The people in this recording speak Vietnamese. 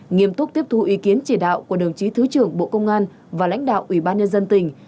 nghiêm túc tiếp thu ý kiến chỉ đạo của đồng chí thứ trưởng bộ công an và lãnh đạo ủy ban nhân dân tỉnh